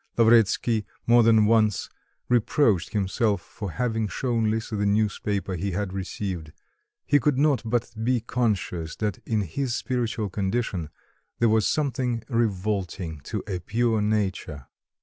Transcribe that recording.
Lavretsky more than once reproached himself for having shown Lisa the newspaper he had received; he could not but be conscious that in his spiritual condition there was something revolting to a pure nature.